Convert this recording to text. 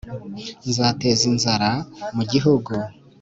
nzateza inzara mu gihugu